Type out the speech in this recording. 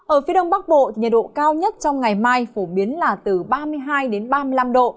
ở phía đông bắc bộ nhiệt độ cao nhất trong ngày mai phổ biến là từ ba mươi hai đến ba mươi năm độ